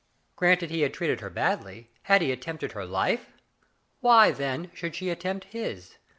Granted he had treated her badly, had he attempted her life ? Why, then, should she attempt his?